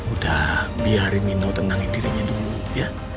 udah biarin nino tenangin dirinya dulu ya